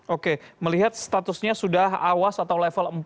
oke melihat statusnya sudah awas atau level empat